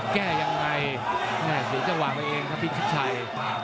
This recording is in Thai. แก้ยังไงแน่สีจะหวังไว้เองครับพี่ชิคชัย